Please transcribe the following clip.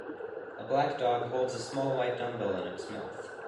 A black dog holds a small white dumbbell in its mouth.